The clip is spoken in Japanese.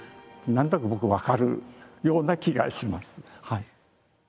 何となく僕わかるような気がします。